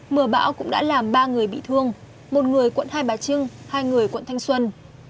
mưa bão cũng đã làm ba người bị thương một người quận hai bà trưng hai người quận thanh xuân